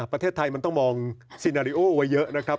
ประเทศไทยมันต้องมองซีนาริโอไว้เยอะนะครับ